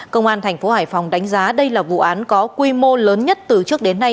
công an thành phố hải phòng đánh giá đây là vụ án có quy mô lớn nhất từ trước đến nay